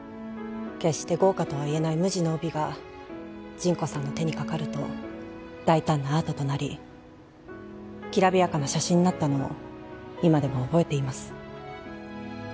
決して豪華とはいえない無地の帯がジンコさんの手にかかると大胆なアートとなりきらびやかな写真になったのを今でも覚えています